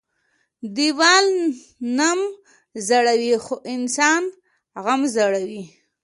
ـ ديوال نم زړوى خو انسان غم زړوى.